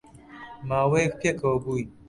ماوەیەک پێکەوە بووین